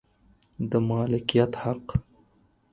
د مالکیت حق